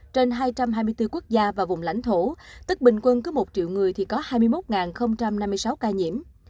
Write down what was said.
trên hai trăm hai mươi bốn quốc gia và vùng lãnh thổ tức bình quân cứ một triệu người thì có hai mươi một năm mươi sáu ca nhiễm